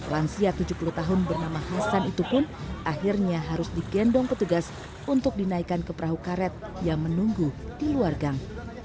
lansia tujuh puluh tahun bernama hasan itu pun akhirnya harus digendong petugas untuk dinaikkan ke perahu karet yang menunggu di luar gang